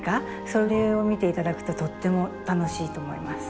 それを見て頂くととっても楽しいと思います。